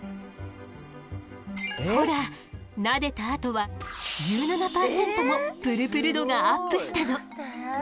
ほらなでたあとは１７％もプルプル度がアップしたの。